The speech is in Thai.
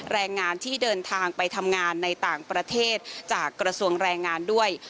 แรงงานที่เดินทางไปทำงานในต่างประเทศจากกระทรวงแรงงานด้วย